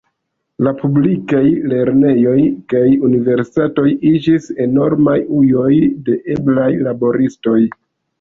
La publikaj lernejoj kaj universitatoj iĝis enormaj ujoj de eblaj laboristoj.